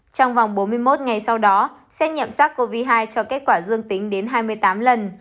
trong vòng bốn mươi một ngày sau đó xét nghiệm sars cov hai cho kết quả dương tính đến hai mươi tám lần